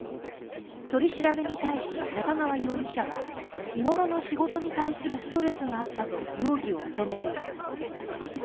取り調べに対し、中川容疑者は日頃の仕事に対するストレスがあったと容疑を認めています。